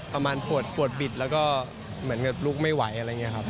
ประมาณปวดบิดแล้วก็เหมือนกับลุกไม่ไหวอะไรอย่างนี้ครับ